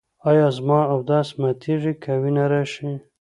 ایا زما اودس ماتیږي که وینه راشي؟